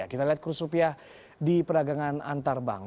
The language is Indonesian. kita lihat kursus rupiah di peragangan antarbank